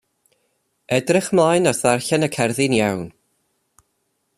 Edrych mlaen at ddarllen y cerddi'n iawn.